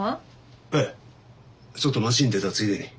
ええちょっと町に出たついでに。